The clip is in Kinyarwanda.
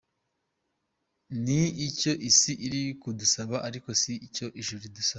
Ni icyo isi iri kudusaba ariko si cyo ijuru ridusaba.